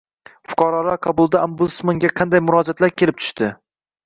Fuqarolar qabulida Ombudsmanga qanday murojaatlar kelib tushdi?